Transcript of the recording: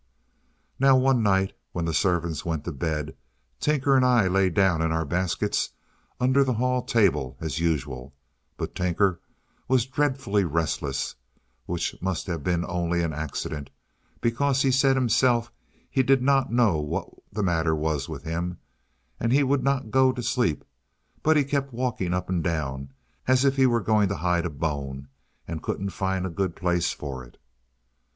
Now one night, when the servants went to bed, Tinker and I lay down in our baskets under the hall table as usual; but Tinker was dreadfully restless, which must have been only an accident, because he said himself he didn't know what was the matter with him; and he would not go to sleep, but kept walking up and down as if he were going to hide a bone and couldn't find a good place for it.